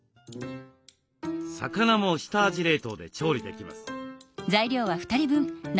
魚も下味冷凍で調理できます。